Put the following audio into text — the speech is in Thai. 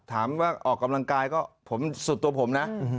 ถามว่าออกกำลังกายก็ส่วนตัวผมนะ